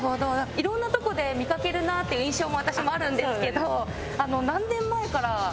いろんなとこで見かけるなっていう印象も私もあるんですけど何年前からやられてるんですか？